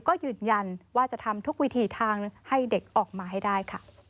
ก็ยืนยันว่าจะทำทุกวิถีทางให้เด็กออกมาให้ได้ค่ะ